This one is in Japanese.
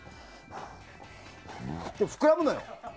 膨らむのよ。